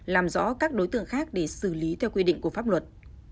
làm rõ các đối tượng khác để xử lý theo quy định của pháp luật